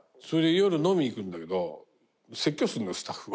夜飲みに行くんだけど説教すんのよスタッフを。